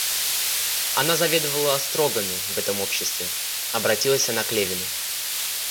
Она заведывала острогами в этом обществе, — обратилась она к Левину.